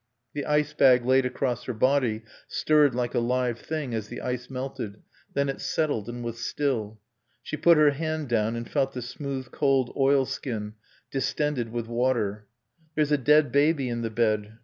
The ice bag laid across her body stirred like a live thing as the ice melted, then it settled and was still. She put her hand down and felt the smooth, cold oilskin distended with water. "There's a dead baby in the bed.